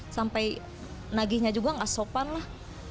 sampai nagihnya juga nggak sopan lah